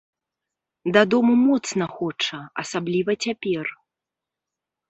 Дадому моцна хоча, асабліва цяпер.